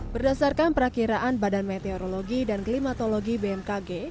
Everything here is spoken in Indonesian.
berdasarkan perakiraan badan meteorologi dan klimatologi bmkg